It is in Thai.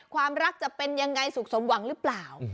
ความรักจะเป็นยังไงสุขสมหวังหรือเปล่า